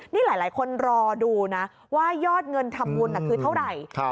นี่หลายคนรอดูนะว่ายอดเงินทำบุญคือเท่าไหร่